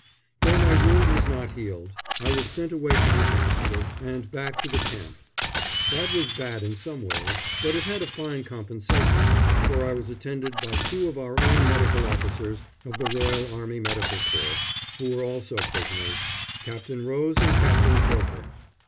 Though my wound was not healed, I was sent away from the hospital and back to the camp. That was bad in some ways, but it had a fine compensation, for I was attended by two of our own medical officers of the Royal Army Medical Corps who were also prisoners Captain Rose and Captain Croker.